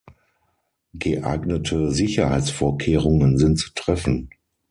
Geeignete Sicherheitsvorkehrungen sind zu treffen.